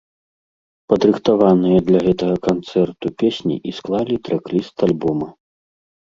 Падрыхтаваныя для гэтага канцэрту песні і склалі трэк-ліст альбома.